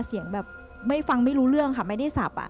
เสียงแบบไม่ฟังไม่รู้เรื่องค่ะไม่ได้สับอ่ะ